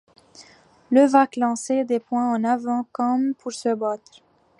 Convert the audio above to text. Levaque lançait les poings en avant, comme pour se battre.